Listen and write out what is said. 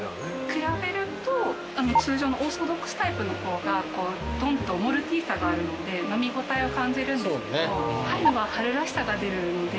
比べると通常のオーソドックスタイプの方がドンッとモルティーさがあるので飲み応えを感じるんですけど春は春らしさが出るので。